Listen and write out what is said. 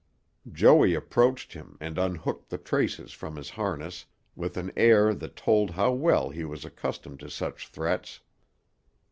Joey approached him and unhooked the traces from his harness with an air that told how well he was accustomed to such threats.